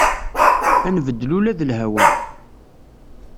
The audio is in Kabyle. Ad nbeddel ula d lhawa.